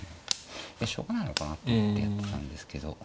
しょうがないのかなと思ってやってたんですけど。